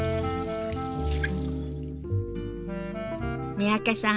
三宅さん